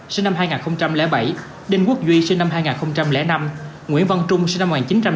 sinh năm hai nghìn bảy đinh quốc duy sinh năm hai nghìn năm nguyễn văn trung sinh năm một nghìn chín trăm tám mươi